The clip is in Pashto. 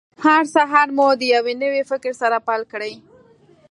هر سهار مو د یوه نوي فکر سره پیل کړئ.